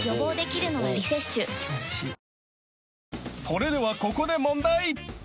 ［それではここで問題］